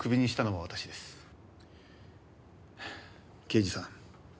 刑事さん。